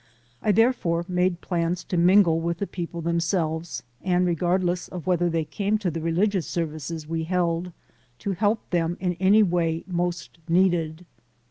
I therefore made plans to mingle with the people themselves, and, regardless of whether they came to the religious services we held, to help them in any way most needed.